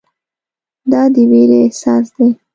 دا د ویرې احساس دی.